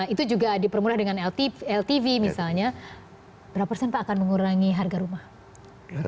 itu juga dipermudah dengan ltv misalnya berapa persen pak akan mengurangi harga rumah